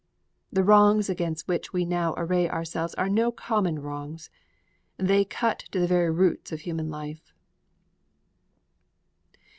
The wrongs against which we now array ourselves are no common wrongs; they cut to the very roots of human life.